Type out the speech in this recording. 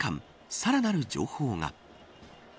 さらなる情報が。